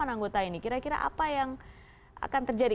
dua ratus sembilan puluh delapan anggota ini kira kira apa yang akan terjadi